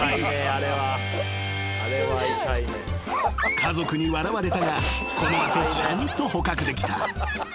［家族に笑われたがこの後ちゃんと捕獲できた］